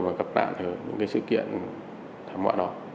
mà gặp lại ở những cái sự kiện thảm họa đó